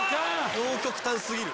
両極端過ぎる。